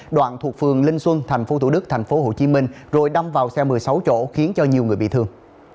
đoạn thuộc phường linh xuân tp thủ đức tp hcm rồi đâm vào xe một mươi sáu chỗ khiến cho nhiều người bị thương